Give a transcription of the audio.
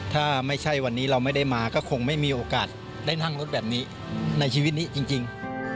ถ้าไม่ใช่วันนี้เราไม่ได้มาก็คงไม่มีโอกาสได้นั่งรถแบบนี้ในชีวิตนี้จริง